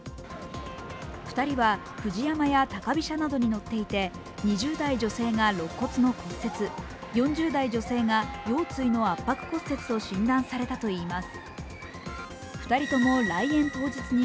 ２人はＦＵＪＩＹＡＭＡや高飛車などに乗っていて２０代女性が肋骨の骨折、４０代女性が腰椎の圧迫骨折と診断されたといいます。